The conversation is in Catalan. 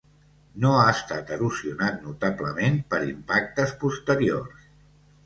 No ha estat erosionat notablement per impactes posteriors.